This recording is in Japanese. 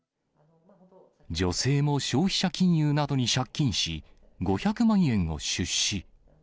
女性も消費者金融などに借金し、５００万円を出資。